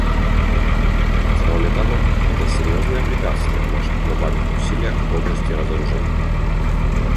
Кроме того, это серьезное препятствие в наших глобальных усилиях в области разоружения.